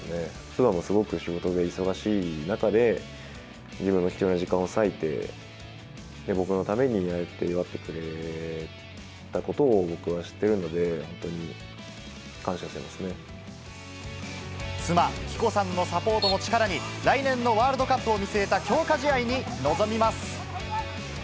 妻もすごく仕事が忙しい中で、自分の貴重な時間を割いて、僕のためにああやって祝ってくれたことを僕は知ってるので、妻、貴子さんのサポートも力に、来年のワールドカップを見据えた強化試合に臨みます。